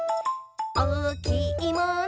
「おおきいもの？